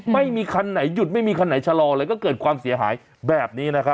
ไม่มีคันไหนหยุดไม่มีคันไหนชะลอเลยก็เกิดความเสียหายแบบนี้นะครับ